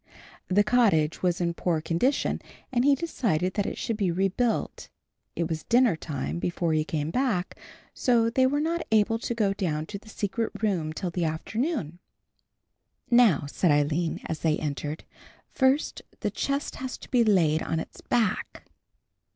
The cottage was in poor condition and he decided that it should be rebuilt. It was dinner time before he came back, so they were not able to go down to the secret room till the afternoon. "Now," said Aline, as they entered, "first the chest has to be laid on its back."